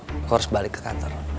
aku harus balik ke kantor